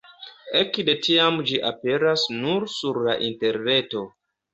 Ekde tiam ĝi aperas nur sur la interreto.